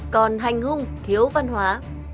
còn hành hung thiếu văn hóa